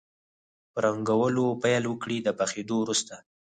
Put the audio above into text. په رنګولو پیل وکړئ د پخېدو وروسته.